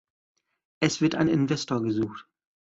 Es wird ein Investor gesucht.